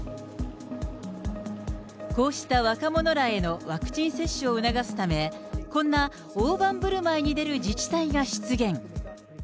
こうした若者らへのワクチン接種を促すため、こんな大盤ぶるまいに出る自治体が出現。